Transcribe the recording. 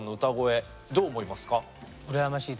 羨ましい。